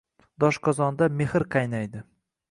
Doshqozonda mehr qaynaydi...